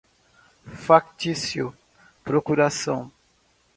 factício, procuração